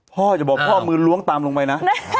พ่อจะบอกพ่อมือล้วงตามลงไปนะ